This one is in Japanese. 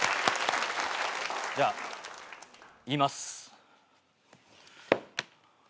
じゃあ言います。